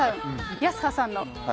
泰葉さんの。